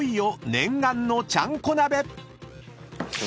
念願のちゃんこでしょ？